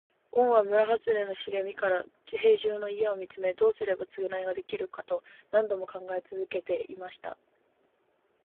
ごんは村はずれの茂みから兵十の家を見つめ、どうすれば償いができるのかと何度も考え続けていました。